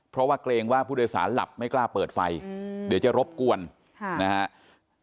เพราะว่าเกรงว่าผู้โดยสารหลับไม่กล้าเปิดไฟเดี๋ยวจะรบกวนนะครับ